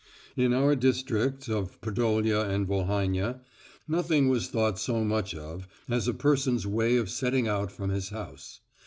In our districts of Podolia and Volhynia nothing was thought so much of as a person's way of setting out from his house.